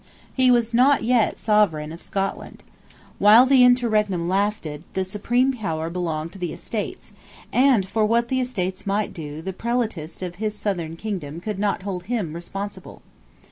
He was not yet Sovereign of Scotland. While the interregnum lasted, the supreme power belonged to the Estates; and for what the Estates might do the prelatists of his southern kingdom could not hold him responsible.